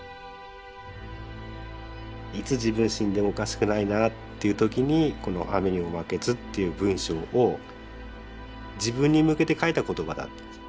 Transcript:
いつ自分死んでもおかしくないなっていう時にこの「雨ニモマケズ」っていう文章を自分に向けて書いた言葉だと。